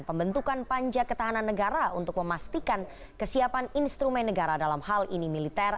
pembentukan panja ketahanan negara untuk memastikan kesiapan instrumen negara dalam hal ini militer